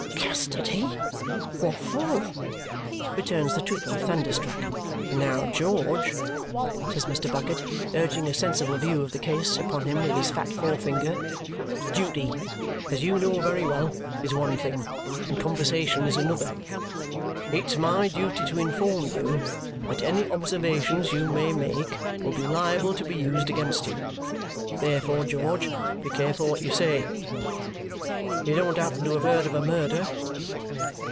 "Custody? What for?" returns the trooper, thunderstruck. "Now, George," says Mr. Bucket, urging a sensible view of the case upon him with his fat forefinger, "duty, as you know very well, is one thing, and conversation is another. It's my duty to inform you that any observations you may make will be liable to be used against you. Therefore, George, be careful what you say. You don't happen to have heard of a murder?"